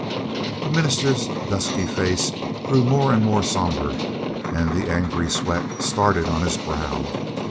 The minister's dusky face grew more and more sombre, and the angry sweat started on his brow.